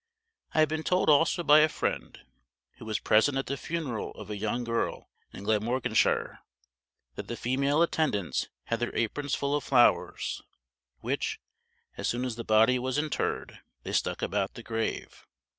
I have been told also by a friend, who was present at the funeral of a young girl in Glamorganshire, that the female attendants had their aprons full of flowers, which, as soon as the body was interred, they stuck about the grave.